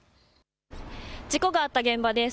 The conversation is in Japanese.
事故があった現場です。